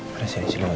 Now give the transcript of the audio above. pergi sini silahkan